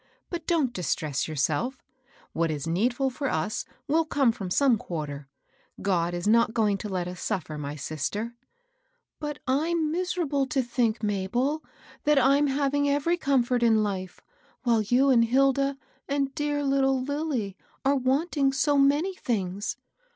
" But don't distress your self. What is needful for us will come from some THE BAD HEART. 123 quarter. God is not going to let ns suffer, my sister." '^ Bat I'm miserable to think, Mabel, that I'm having every comfort in life, while you and Hilda and dear little Lilly are wanting so many things.